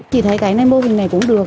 chị thấy cái mô hình này cũng được